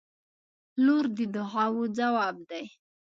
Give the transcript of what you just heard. • لور د دعاوو ځواب دی.